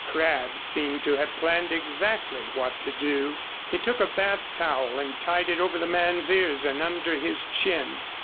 Crabb seemed to have planned exactly what to do. He took a bath towel and tied it over the man's ears and under his chin.